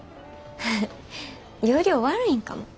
要領悪いんかも。